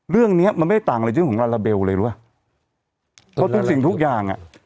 เรื่องเนี้ยมันไม่ต่างอะไรเรื่องของลาลาเบลเลยรู้ป่ะเพราะทุกสิ่งทุกอย่างอ่ะ